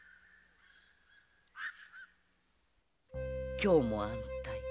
今日も安泰。